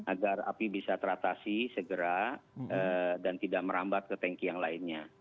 agar api bisa teratasi segera dan tidak merambat ke tanki yang lainnya